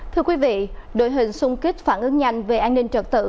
thưa quý vị đội hình xung kích phản ứng nhanh về an ninh trật tự